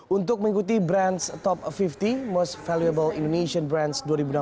untuk mengikuti branch top lima puluh most valuable indonesian branch dua ribu enam belas